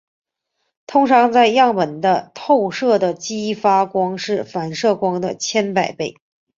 通常在样品处透射的激发光是反射光的千百倍。